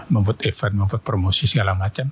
membuat event membuat promosi segala macam